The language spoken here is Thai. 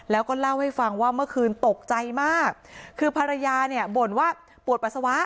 แล้วก็เล่าให้ฟังว่าเมื่อคืนตกใจมากคือภรรยาเนี่ยบ่นว่าปวดปัสสาวะ